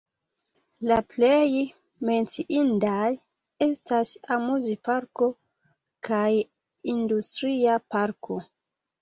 La plej menciindaj estas amuzparko kaj industria parko.